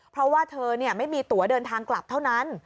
เพราะว่าเธอไม่มีตัวเดินทางกลับเท่านั้น